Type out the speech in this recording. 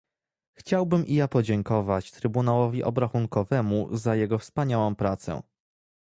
Chciałbym i ja podziękować Trybunałowi Obrachunkowemu za jego wspaniałą pracę